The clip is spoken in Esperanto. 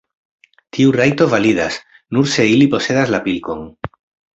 Tiu rajto validas, nur se ili posedas la pilkon.